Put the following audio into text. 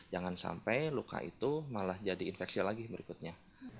jangan sampai luka itu malah jadi infeksi lagi berikutnya